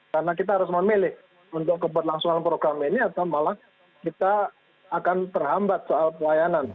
karena kita harus memilih untuk membuat langsung program ini atau malah kita akan terhambat soal pelayanan